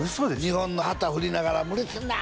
日本の旗振りながら「無理すんな！」